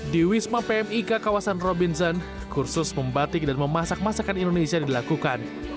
di wisma pmik kawasan robinson kursus membatik dan memasak masakan indonesia dilakukan